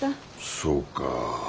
そうか。